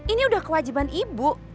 ini udah kewajiban ibu